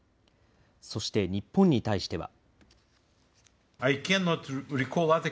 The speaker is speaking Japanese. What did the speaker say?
そして日本に対しては。